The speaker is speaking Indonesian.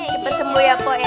cepet sembuh ya kok ya